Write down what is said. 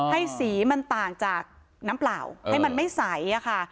ให้สีมันต่างจากน้ำเปล่าให้มันไม่ใสค่ะ